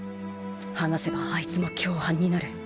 話せばあいつも共犯になる